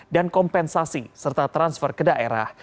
dan kompensasi serta transfer ke daerah